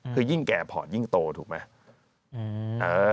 คือยิ่งแก่พอร์ตยิ่งโตถูกไหม